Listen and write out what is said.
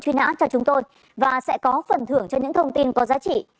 truy nã cho chúng tôi và sẽ có phần thưởng cho những thông tin có giá trị